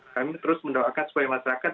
kami terus mendoakan supaya masyarakat